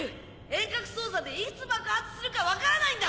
遠隔操作でいつ爆発するか分からないんだ！